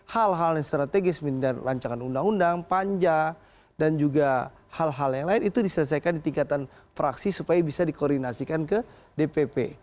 hal hal yang strategis misalnya rancangan undang undang panja dan juga hal hal yang lain itu diselesaikan di tingkatan fraksi supaya bisa dikoordinasikan ke dpp